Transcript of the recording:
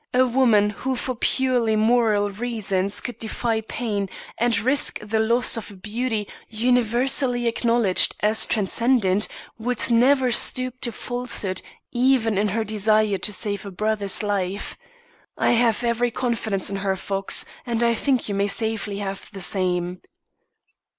A woman who for purely moral reasons could defy pain and risk the loss of a beauty universally acknowledged as transcendent, would never stoop to falsehood even in her desire to save a brother's life. I have every confidence in her. Fox, and I think you may safely have the same."